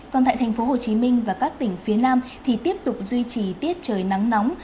còn tại thành phố hồ chí minh và các tỉnh phía nam thì tiếp tục duy trì tiết trời nắng nóng